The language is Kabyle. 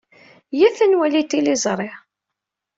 Iyyat ad nwali tiliẓri.